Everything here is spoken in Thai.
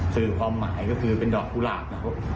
สื่อความหมายก็คือเป็นดอกกุหลาบนะครับ